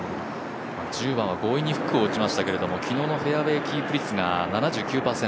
１０番は強引にフックを打ちましたけれども、昨日のフェアウエーキープ率が７９％。